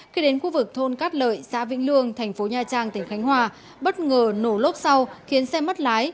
khi đến khu vực thôn cát lợi xã vĩnh lương thành phố nha trang tỉnh khánh hòa bất ngờ nổ lốp sau khiến xe mất lái